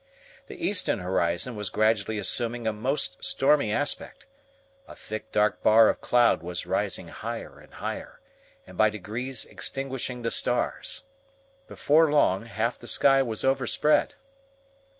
The eastern horizon was gradually assuming a most stormy aspect. A thick dark bar of cloud was rising higher and higher, and by degrees extinguishing the stars. Before long half the sky was overspread.